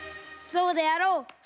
そうであろう！